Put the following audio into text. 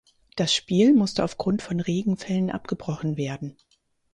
Das Spiel musste auf Grund von Regenfällen abgebrochen werden.